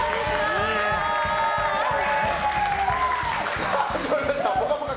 さあ、始まりました「ぽかぽか」